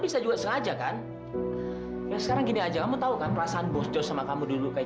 bisa juga sengaja kan yang sekarang gini aja kamu tahu kan perasaan bosco sama kamu dulu kayak